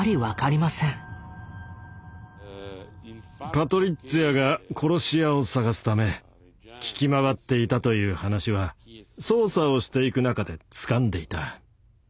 パトリッツィアが殺し屋を探すため聞き回っていたという話は捜査をしていく中でつかんでいた。